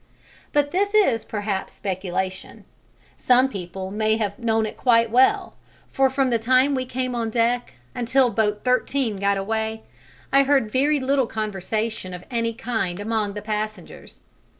But this is perhaps speculation; some people may have known it quite well, for from the time we came on deck until boat 13 got away, I heard very little conversation of any kind among the passengers.